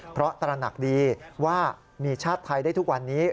เพราะตระหนักดีว่ามีชาติไทยได้ทุกวันนี้